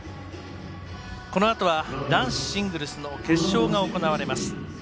このあとは、男子シングルスの決勝が行われます。